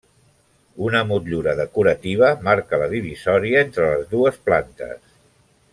Una motllura decorativa marca la divisòria entre les dues plantes.